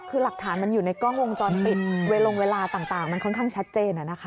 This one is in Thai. คือหลักฐานมันอยู่ในกล้องวงจรปิดเวลาลงเวลาต่างมันค่อนข้างชัดเจน